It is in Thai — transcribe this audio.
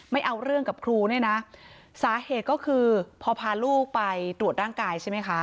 ไม่เอาเรื่องกับครูเนี่ยนะสาเหตุก็คือพอพาลูกไปตรวจร่างกายใช่ไหมคะ